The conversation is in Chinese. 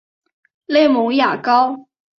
内蒙邪蒿